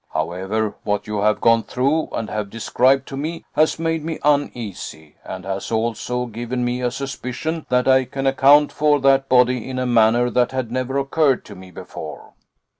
However, what you have gone through, and have described to me, has made me uneasy, and has also given me a suspicion that I can account for that body in a manner that had never occurred to me before."